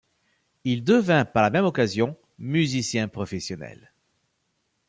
Il devint par la même occasion musicien professionnel.